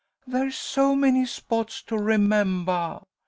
There's so many spots to remembah.